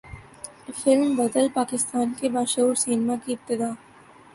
film بدل پاکستان کے باشعور سینما کی ابتدا